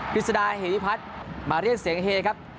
กฤษดาเฮวิพัทมาเรียกเสียงเฮครับ